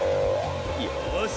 よし！